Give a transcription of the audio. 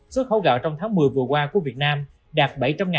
xuất khẩu gạo trong tháng một mươi vừa qua của việt nam đạt bảy trăm linh